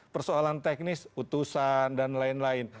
persoalan teknis utusan dan lain lain